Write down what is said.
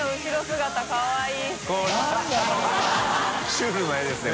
シュールな絵ですね。